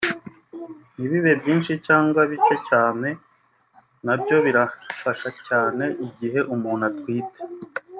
ntibibe byinshi cyangwa bicye cyane nabyo birafasha cyane igihe umuntu atwite